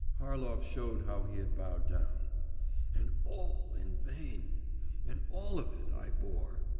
(Harlov showed how he had bowed down.) 'And all in vain. And all of it I bore!